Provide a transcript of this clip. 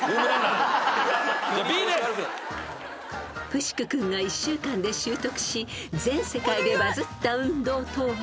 ［プシク君が１週間で習得し全世界でバズった運動とは？］